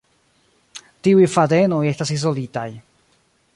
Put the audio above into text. Tiuj fadenoj estas izolitaj.